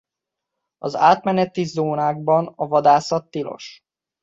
Az átmeneti zónákban a vadászat tilos.